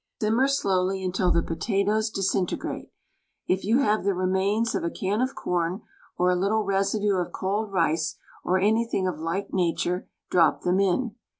Simmer slowly until the potatoes disintegrate. If you have the remains of a can of corn or a little residue of cold rice or any thing of like nature, drop them in.